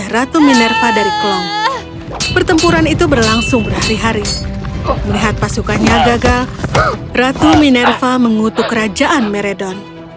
ratu minerva mengutuk kerajaan meredon